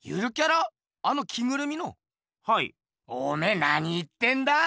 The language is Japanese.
おめえなに言ってんだ？